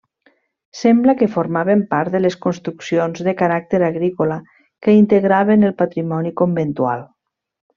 Sembla que formaven part de les construccions de caràcter agrícola que integraven el patrimoni conventual.